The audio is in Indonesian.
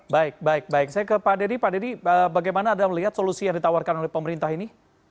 baik baik baik saya ke pak deddy pak deddy bagaimana anda melihat solusi yang ditawarkan oleh pemerintah ini